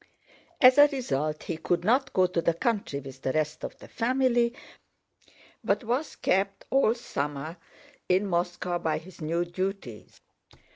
As a result he could not go to the country with the rest of the family, but was kept all summer in Moscow by his new duties.